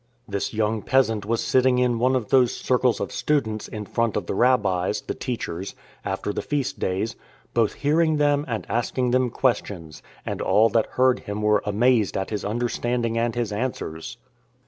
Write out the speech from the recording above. This young peasant was sitting in one of those circles of students in front of the Rabbis (the teachers) after the feast days, " both hearing them and asking them questions : and all that heard Him were amazed at His under standing and His answers."